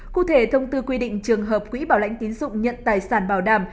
cụ thể thông tư quy định trường hợp quỹ bảo lãnh tín dụng nhận tài sản bảo đảm